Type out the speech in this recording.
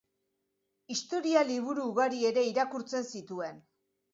Historia liburu ugari ere irakurtzen zituen.